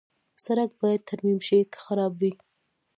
سړک باید ترمیم شي که خراب وي.